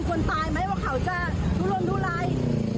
คุณผู้ชมคุณผู้ชมคุณผู้ชม